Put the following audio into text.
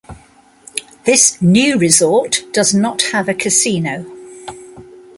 This new resort does not have a casino.